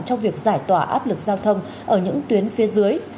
trong việc giải tỏa áp lực giao thông ở những tuyến phía dưới